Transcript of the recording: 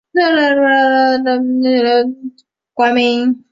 范曾为天津邮政博物馆题写了馆名。